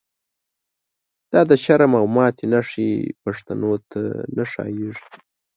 دا دشرم او ماتی نښی، پښتنوته نه ښاییږی